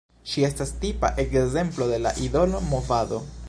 Ŝi estas tipa ekzemplo de la idolo movado.